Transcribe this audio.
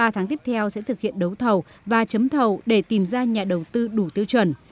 ba tháng tiếp theo sẽ thực hiện đấu thầu và chấm thầu để tìm ra nhà đầu tư đủ tiêu chuẩn